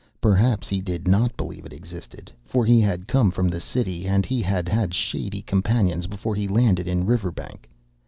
Perhaps he did not believe it existed, for he had come from the city, and he had had shady companions before he landed in Riverbank.